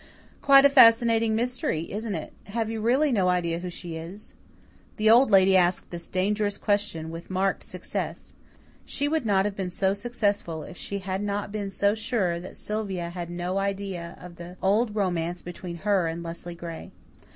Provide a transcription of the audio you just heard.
"Quite a fascinating mystery, isn't it? Have you really no idea who she is?" The Old Lady asked this dangerous question with marked success. She would not have been so successful if she had not been so sure that Sylvia had no idea of the old romance between her and Leslie Gray.